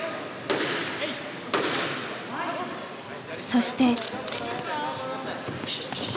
そして。